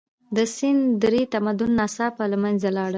د سند درې تمدن ناڅاپه له منځه لاړ.